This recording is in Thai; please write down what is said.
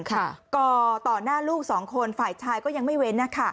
ก่อต่อหน้าลูกสองคนฝ่ายชายก็ยังไม่เว้นนะคะ